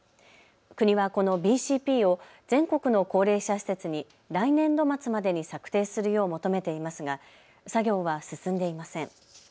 国はこのＢＣＰを全国の高齢者施設に来年度末までに策定するよう求めていますが作業は進んでいません。